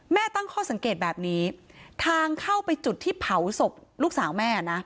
ตั้งข้อสังเกตแบบนี้ทางเข้าไปจุดที่เผาศพลูกสาวแม่นะ